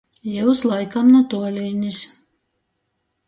Jius laikam nu tuolīnis.